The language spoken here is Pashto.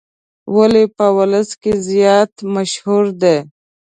ولې په ولس کې زیات مشهور دی.